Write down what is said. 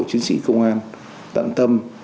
chiến sĩ công an tận tâm